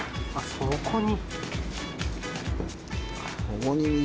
そこに。